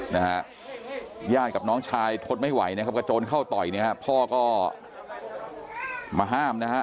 นะฮะญาติกับน้องชายทนไม่ไหวนะครับกระโจนเข้าต่อยเนี่ยฮะพ่อก็มาห้ามนะฮะ